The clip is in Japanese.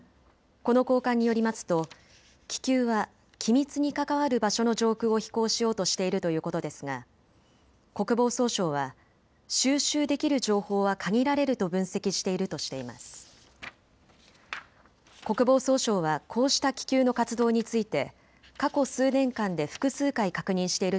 この高官によりますと気球は機密に関わる場所の上空を飛行しようとしているということですが国防総省は収集できる情報は限られると分析しているとしています。